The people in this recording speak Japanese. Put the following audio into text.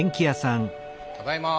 ただいま！